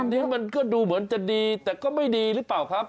อันนี้มันก็ดูเหมือนจะดีแต่ก็ไม่ดีหรือเปล่าครับ